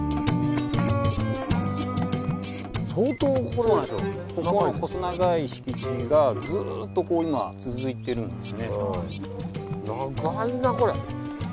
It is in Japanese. ここは細長い敷地がずっと続いてるんですね。